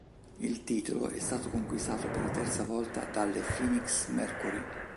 Il titolo è stato conquistato per la terza volta dalle Phoenix Mercury.